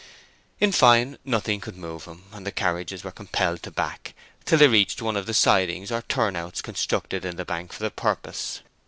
In fine, nothing could move him, and the carriages were compelled to back till they reached one of the sidings or turnouts constructed in the bank for the purpose.